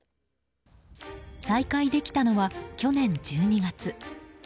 再開できたのは去年１２月。